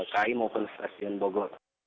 kai maupun stasiun bogor